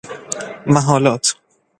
محالات